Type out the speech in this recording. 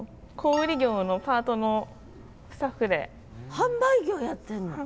販売業やってんの？